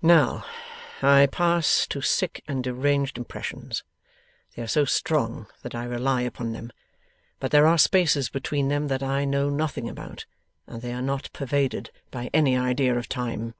'Now, I pass to sick and deranged impressions; they are so strong, that I rely upon them; but there are spaces between them that I know nothing about, and they are not pervaded by any idea of time.